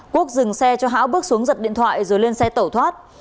quốc dừng xe cho hãng bước xuống giật điện thoại rồi lên xe tẩu thoát